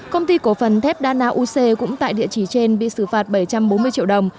công ty cổ phần thép đa nauc cũng tại địa chỉ trên bị xử phạt bảy trăm bốn mươi triệu đồng